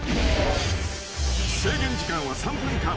［制限時間は３分間。